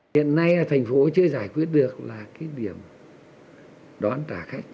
hiện nay là thành phố chưa giải quyết được là cái điểm đón trả khách